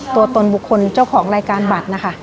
ตัวตนบุคคลเจ้าของรายการบัตรนะคะ